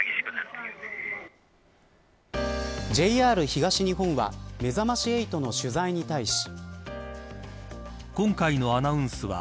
ＪＲ東日本はめざまし８の取材に対し。